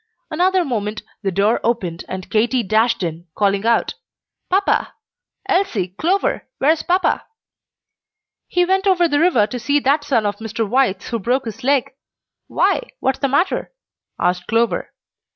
Another moment, the door opened, and Katy dashed in, calling out, "Papa! Elsie, Clover, where's papa?" "He went over the river to see that son of Mr. White's who broke his leg. Why, what's the matter?" asked Clover.